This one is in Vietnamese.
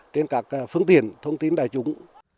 trên các phương tiện thông tin đại chúng